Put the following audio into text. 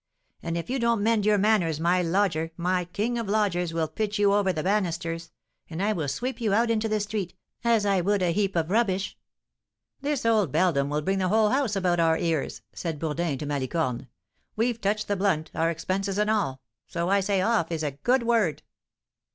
And, if you don't mend your manners, my lodger, my king of lodgers will pitch you over the banisters, and I will sweep you out into the street, as I would a heap of rubbish." "This old beldam will bring the whole house about our ears," said Bourdin to Malicorne; "we've touched the blunt, our expenses and all, so I say 'Off' is a good word."